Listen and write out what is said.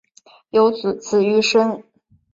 有子俞深。